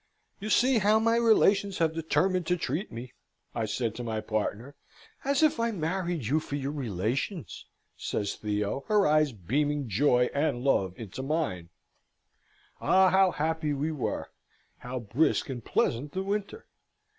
"You see how my relations have determined to treat me," I say to my partner. "As if I married you for your relations!" says Theo, her eyes beaming joy and love into mine. Ah, how happy we were! how brisk and pleasant the winter!